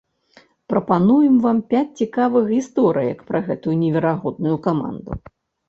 Прапануем вам пяць цікавых гісторыек пра гэту неверагодную каманду.